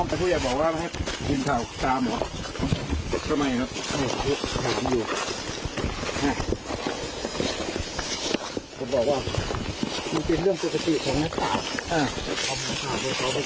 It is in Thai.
พี่พ้าพี่ใหญ่พี่พ้าพี่อย่าบอกว่าไม่ให้กินข่าวข่าวหมด